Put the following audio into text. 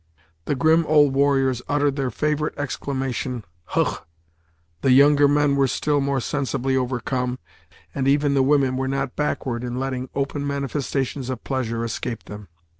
The grim old warriors uttered their favorite exclamation "hugh!" The younger men were still more sensibly overcome, and even the women were not backward in letting open manifestations of pleasure escape them.